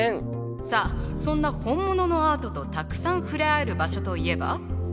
さあそんな本物のアートとたくさん触れ合える場所といえば？